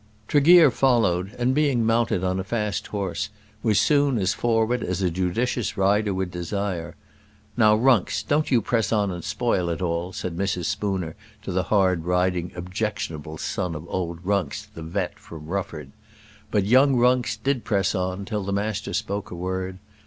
Tregear followed, and being mounted on a fast horse was soon as forward as a judicious rider would desire. "Now, Runks, don't you press on and spoil it all," said Mrs. Spooner to the hard riding, objectionable son of old Runks the vet from Rufford. But young Runks did press on till the Master spoke a word.